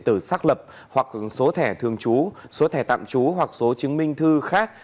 tử xác lập hoặc số thẻ thương chú số thẻ tạm chú hoặc số chứng minh thư khác